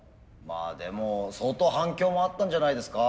まあでも相当反響もあったんじゃないですか？